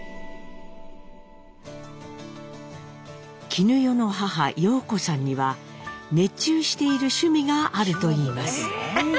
絹代の母様子さんには熱中している趣味があるといいます。